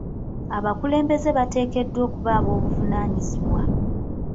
Abakulembeze bateekeddwa okuba aboobuvunaanyizibwa.